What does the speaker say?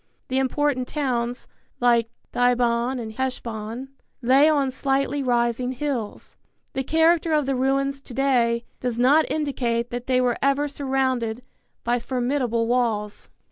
The important towns, like Dibon and Heshbon, lay on slightly rising hills. The character of the ruins to day does not indicate that they were ever surrounded by formidable walls.